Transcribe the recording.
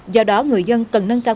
do đó người dân cần nâng cao